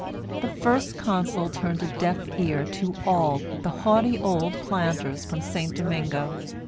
The First Consul turned a deaf ear to all but the haughty old planters from St. Domingo.